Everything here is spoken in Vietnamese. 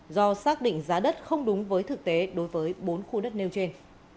do xác định giá đất không đúng với thực tế đối với bốn khu đất nêu trên